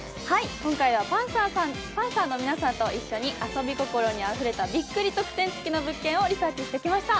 今回はパンサーの皆さんと一緒に遊び心にあふれた、びっくり特典付きの物件をリサーチしてきました。